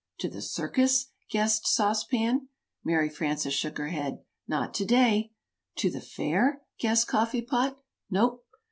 "To the circus?" guessed Sauce Pan. Mary Frances shook her head. "Not to day." "To the fair?" guessed Coffee Pot. "No!"